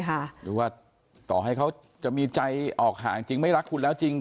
หรือว่าต่อให้เขาจะมีใจออกห่างจริงไม่รักคุณแล้วจริง